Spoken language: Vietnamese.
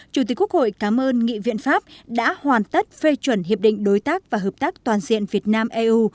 chủ tịch quốc hội cảm ơn nghị viện pháp đã hoàn tất phê chuẩn hiệp định đối tác và hợp tác toàn diện việt nam eu